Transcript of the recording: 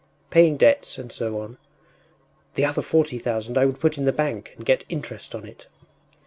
paying debts, and so on.... The other forty thousand I would put in the bank and get interest on it.